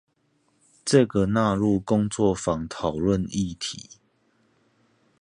這個納入工作坊討論議題